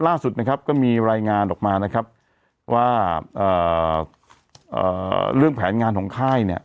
ล่าสุดนะครับก็มีรายงานออกมานะครับว่าเรื่องแผนงานของค่ายเนี่ย